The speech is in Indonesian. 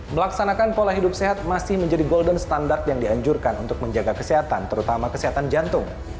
melaksanakan pola hidup sehat masih menjadi golden standard yang dianjurkan untuk menjaga kesehatan terutama kesehatan jantung